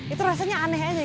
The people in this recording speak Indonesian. itu rasanya aneh aja